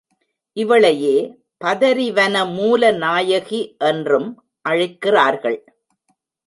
இவளையே பதரி வன மூல நாயகி என்றும் அழைக்கிறார்கள்.